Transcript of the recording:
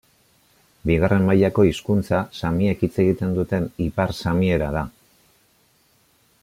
Bigarren mailako hizkuntza samiek hitz egiten duten ipar samiera da.